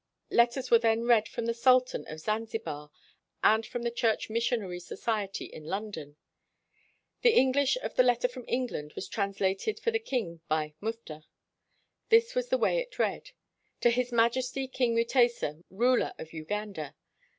Letters were then read from the Sultan of Zanzibar and from the Church Mission ary Society in London. The English of the letter from England was translated for the king by Mufta. This was the way it read: "To His Majesty King Mutesa, Ruler of Uganda.